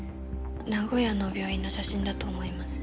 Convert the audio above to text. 名古屋の病院の写真だと思います。